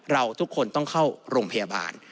เราทุกคนต้องเข้าโรงพยาบาล